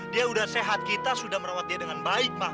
dia sudah sehat kita sudah merawat dia dengan baik